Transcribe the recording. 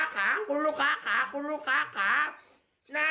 คุณลูกค้าขาคุณลูกค้าขาคุณลูกค้าขา